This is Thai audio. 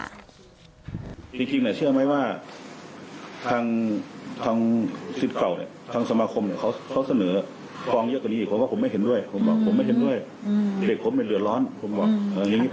อเจมส์จริงเชื่อไหมทั้งสิบเก่าสมคคมเขาเสนอพองยักเก่านี้